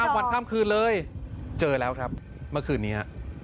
วันข้ามคืนเลยเจอแล้วครับเมื่อคืนนี้